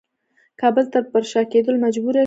کابل ته پر شا کېدلو مجبور شو.